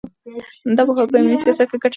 دا پوهه په عملي سیاست کې ګټه رسوي.